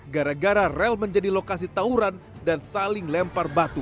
gara gara rel menjadi lokasi tauran dan saling lempar batu